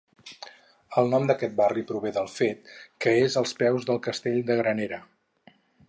El nom d'aquest barri prové del fet que és als peus del castell de Granera.